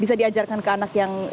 bisa diajarkan ke anak yang